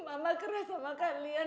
mama keras sama kalian